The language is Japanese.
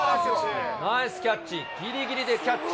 ナイスキャッチ、ぎりぎりでキャッチ。